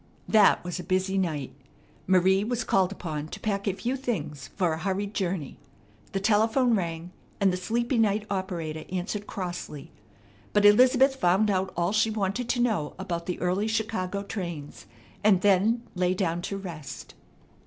That was a busy night. Marie was called upon to pack a few things for a hurried journey. The telephone rang, and the sleepy night operator answered crossly. But Elizabeth found out all she wanted to know about the early Chicago trains, and then lay down to rest.